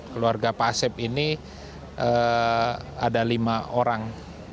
keluarga pak asep ini ada lima orang